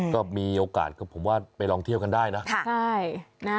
ก็มีโอกาสก็ผมว่าไปลองเที่ยวกันได้นะ